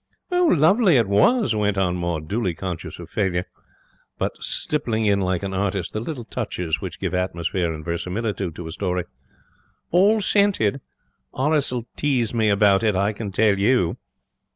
'Lovely it was,' went on Maud, dully conscious of failure, but stippling in like an artist the little touches which give atmosphere and verisimilitude to a story. 'All scented. Horace will tease me about it, I can tell you.'